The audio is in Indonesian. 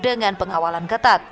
dengan pengawalan ketat